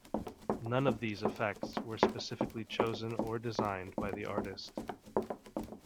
None of these effects were specifically chosen or designed by the artist.